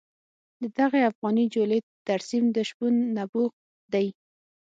د دغې افغاني جولې ترسیم د شپون نبوغ دی.